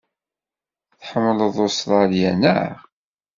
Tḥemmleḍ Ustṛalya, naɣ?